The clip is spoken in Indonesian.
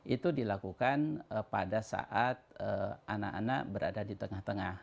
itu dilakukan pada saat anak anak berada di tengah tengah